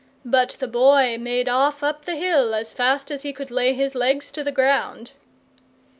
But the Boy made off up the hill as fast as he could lay his legs to the ground.